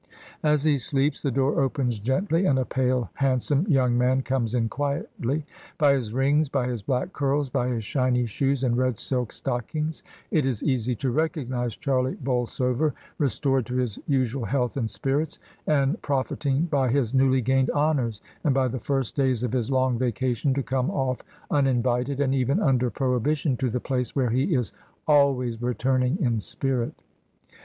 As he sleeps the door opens gently, and a pale hand some young man comes in quietly. By his rings, by his black curls, by his shiny shoes and red silk stockings, it is easy to recognise Charlie Bolsover restored to his usual health and spirits, and profit* ing by his newly gained honours and by the first days of his long vacation to come off iminvited, and even under prohibition, to the place where he is always returning in spirit.